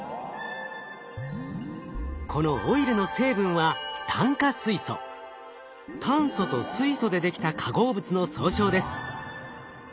このオイルの成分は炭素と水素でできた化合物の総称です。